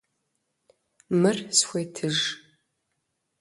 Мыр схуетыж!